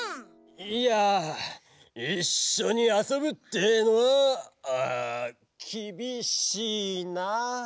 いやいっしょにあそぶってえのはきびしいな！